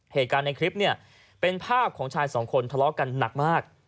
เหตุการณ์ในคลิปเนี่ยเป็นภาพของชายสองคนทะเลาะกันหนักมาก